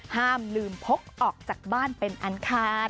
ห้ามลืมพกออกจากบ้านเป็นอันคาร